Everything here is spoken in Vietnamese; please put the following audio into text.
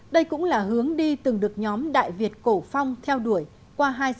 đây cũng là hướng đi từng được nhóm đại việt cổ phong theo đuổi qua hai dự án